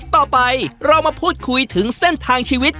ต่อไปเรามาพูดคุยถึงเส้นทางชีวิต